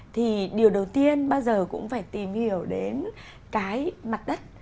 thì điều đầu tiên bao giờ cũng phải tìm hiểu đến cái mặt đất